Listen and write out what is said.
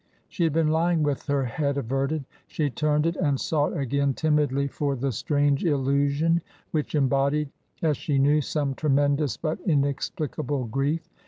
She had been lying with her head averted; she turned it and sought again timidly for the strange illusion which embodied, as she knew, some tremendous but inexplicable grief.